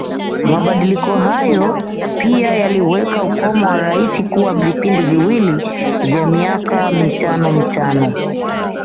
Mabadiliko hayo pia yaliweka ukomo wa Rais kuwa vipindi viwili vya miaka mitano mitano